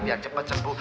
biar cepet sembuh